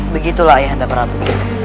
begitulah ibu nda prabu